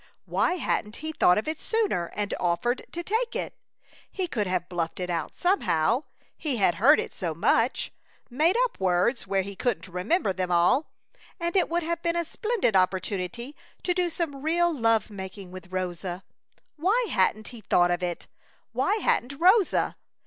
Why hadn't he thought of it sooner and offered to take it? He could have bluffed it out somehow he had heard it so much made up words where he couldn't remember them all, and it would have been a splendid opportunity to do some real love making with Rosa. Why hadn't he thought of it? Why hadn't Rosa?